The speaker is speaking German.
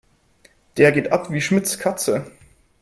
Der geht ab wie Schmitz' Katze.